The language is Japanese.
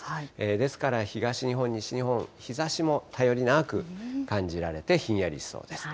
ですから東日本、西日本、日ざしも頼りなく感じられて、ひんやりしそうです。